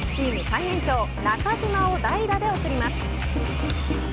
最年長中島を代打で送ります。